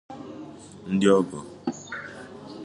ndị ọgọ